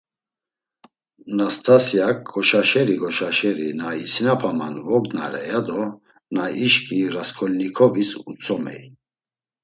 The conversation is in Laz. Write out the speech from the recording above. Nastasyak, goşaşeri goşaşeri na isinapaman vognare, yado na işǩiy Rasǩolnikovis utzomey.